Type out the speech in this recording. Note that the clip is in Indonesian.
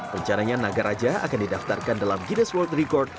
pencarian naga raja akan didaftarkan dalam guinness world record